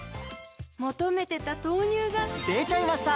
求めてた豆乳がでちゃいました！